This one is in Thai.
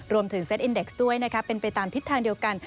เซ็ตอินเด็กซ์ด้วยนะคะเป็นไปตามทิศทางเดียวกัน